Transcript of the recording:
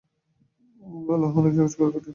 বলা অনেক সহজ করা কঠিন।